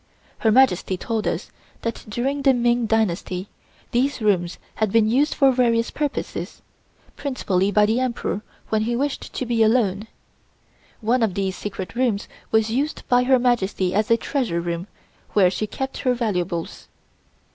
Her Majesty told us that during the Ming dynasty these rooms had been used for various purposes, principally by the Emperor when he wished to be alone. One of these secret rooms was used by Her Majesty as a treasure room where she kept her valuables.